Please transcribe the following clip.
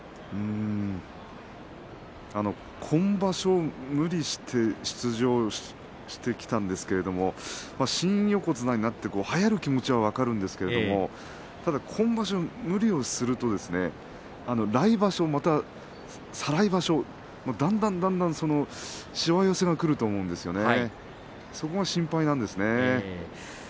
今場所、無理して出場してきたんですけれども新横綱になってはやる気持ちは分かるんですけど今場所、無理をすることによって来場所また再来場所、だんだんしわ寄せがくると思うんですよね。